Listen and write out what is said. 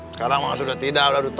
sekarang mah sudah tidak